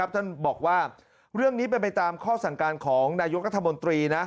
ท่านบอกว่าเรื่องนี้เป็นไปตามข้อสั่งการของนายกรัฐมนตรี